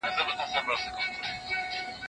موټر چلونکي خپله خولۍ د مخ د پاکولو لپاره وکاروله.